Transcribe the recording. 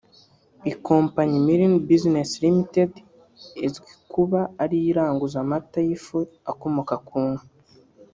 Ikompanyi ‘Mlin Business Ltd’ izwiho kuba ariyo iranguza amata y’Ifu akomoka ku nka